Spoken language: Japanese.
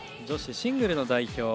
女子シングルの代表